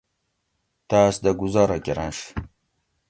تاۤس دہ گزارہ کرنش